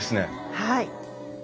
はい。